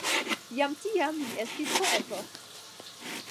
Jam tiam li estis poeto.